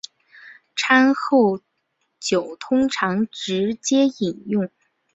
餐后酒通常直接饮用。